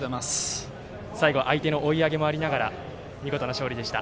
最後は相手の追い上げもありながら見事な勝利でした。